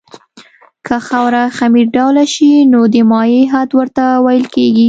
که خاوره خمیر ډوله شي نو د مایع حد ورته ویل کیږي